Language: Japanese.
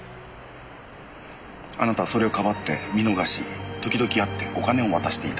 あなたはそれをかばって見逃し時々会ってお金を渡していた。